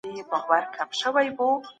د غوښې وچولو دود ولي د مسافرو تر منځ عام و؟